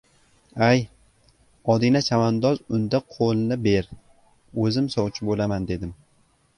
— Ay, Odina chavandoz, unda, qo‘lni ber, o‘zim sovchi bo‘laman! — dedim.